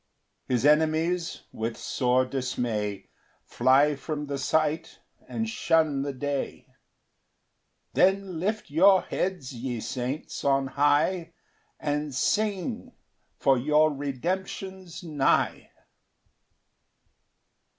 4 His enemies, with sore dismay, Fly from the sight, and shun the day; Then lift your heads, ye saints, on high, And sing, for your redemption's nigh.